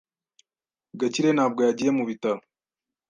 Gakire ntabwo yagiye mu bitaro.